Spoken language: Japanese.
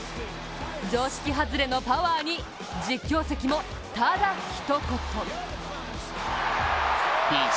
常識外れのパワーに実況席も、ただひと言。